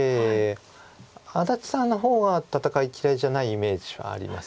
安達さんの方は戦い嫌いじゃないイメージはあります。